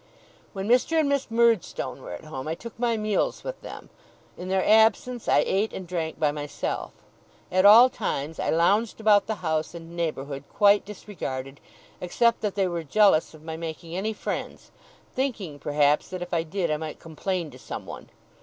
When Mr. and Miss Murdstone were at home, I took my meals with them; in their absence, I ate and drank by myself. At all times I lounged about the house and neighbourhood quite disregarded, except that they were jealous of my making any friends: thinking, perhaps, that if I did, I might complain to someone.